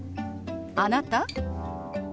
「あなた？」。